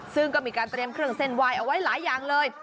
ซึ่งก็มีการเตรียมเครื่องเส้นไหว้เอาไว้หลายอย่างเลย